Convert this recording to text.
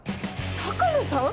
鷹野さん！？